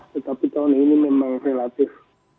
tetapi tahun ini memang relatif